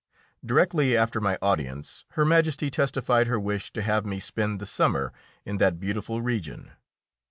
Directly after my audience Her Majesty testified her wish to have me spend the summer in that beautiful region.